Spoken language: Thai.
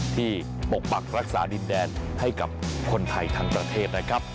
ปกปักรักษาดินแดนให้กับคนไทยทั้งประเทศนะครับ